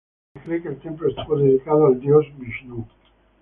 Se cree que el templo estuvo dedicado al dios Vishnú.